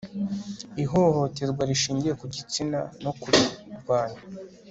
ihohoterwa rishingiye ku gitsina no kurirwanya